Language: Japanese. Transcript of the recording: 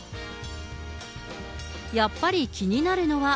やっぱり気になるのは。